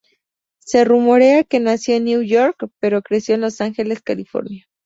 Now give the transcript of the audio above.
Se rumorea que nació en Nueva York, pero creció en los Angeles, California.